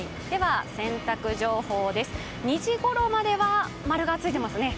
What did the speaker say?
洗濯情報です、２時ごろまでは○がついていますね。